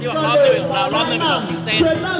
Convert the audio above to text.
ที่บอกรอบหนึ่งเป็นของเรารอบหนึ่งเป็นของกุศเซน